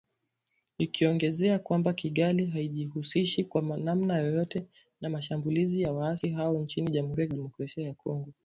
Ikiongezea kwamba Kigali haijihusishi kwa namna yoyote na mashambulizi ya waasi hao nchini Jamhuri ya kidemokrasia ya Kongo.